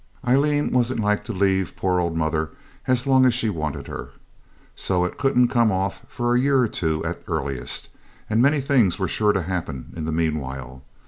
Aileen wasn't like to leave poor old mother as long as she wanted her, so it couldn't come off for a year or two at earliest, and many things were sure to happen in the meanwhile.